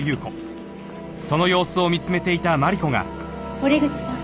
堀口さん。